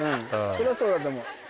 それはそうだと思う。